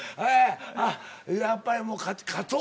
あっやっぱりもう「勝とう」